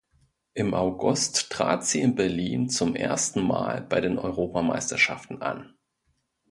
Im August trat sie in Berlin zum ersten Mal bei den Europameisterschaften an.